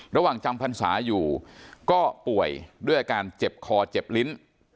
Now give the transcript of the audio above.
จำพรรษาอยู่ก็ป่วยด้วยอาการเจ็บคอเจ็บลิ้น